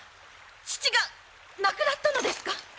父が亡くなったのですか？